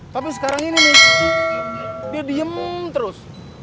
tapi sekarang ini nih dia diem terus